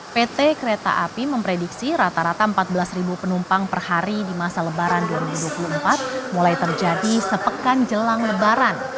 pt kereta api memprediksi rata rata empat belas penumpang per hari di masa lebaran dua ribu dua puluh empat mulai terjadi sepekan jelang lebaran